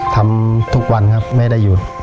ทำทุกวันครับไม่ได้หยุด